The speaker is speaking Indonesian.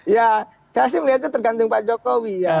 ya saya sih melihatnya tergantung pak jokowi ya